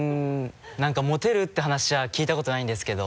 なんかモテるっていう話は聞いたことないんですけど。